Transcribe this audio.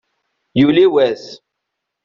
Yuli wass.